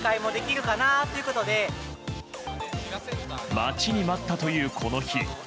待ちに待ったというこの日。